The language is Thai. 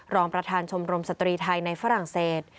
รองประธานชมรมสตรีไทยในฝรั่งเศส